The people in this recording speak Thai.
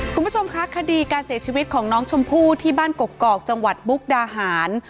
คุณผู้ชมคะคดีการเสียชีวิตของน้องชมพู่ที่บ้านกกอกจังหวัดมุกดาหาร